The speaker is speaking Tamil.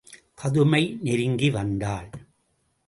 பதுமை நெருங்கி வந்தாள்.